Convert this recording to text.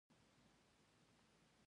او اصلي ځواک دی.